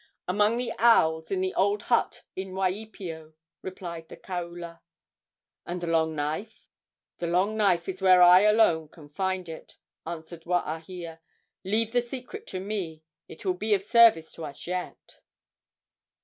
"Among the owls in the old hut in Waipio," replied the kaula. "And the long knife?" "The long knife is where I alone can find it," answered Waahia. "Leave the secret to me; it will be of service to us yet."